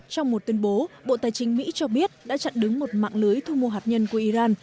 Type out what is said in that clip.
trong một tuyên bố bộ tài chính mỹ cho biết đã chặn đứng một mạng lưới thu mua hạt nhân của iran